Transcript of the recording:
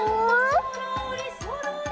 「そろーりそろり」